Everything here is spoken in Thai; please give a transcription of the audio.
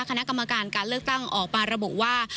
คณะกรรมการการเลือกตั้งออกมาระบุว่า